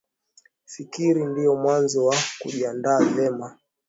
fikiri ndio mwanzo wa kujiandaa vema